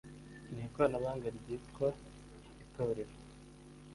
n ikoranabuhanga ryitwa itorero